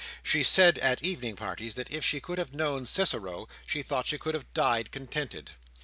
She said at evening parties, that if she could have known Cicero, she thought she could have died contented.